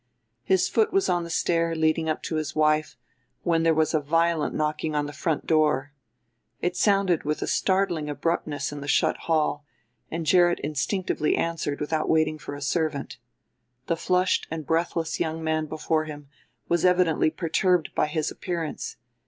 His foot was on the stair leading up to his wife, when there was a violent knocking on the front door. It sounded with a startling abruptness in the shut hall, and Gerrit instinctively answered without waiting for a servant. The flushed and breathless young man before him was evidently perturbed by his appearance.